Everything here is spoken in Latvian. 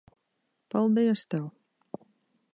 Paldies tev.